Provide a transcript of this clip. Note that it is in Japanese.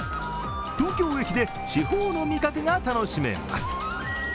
東京駅で、地方の味覚が楽しめます。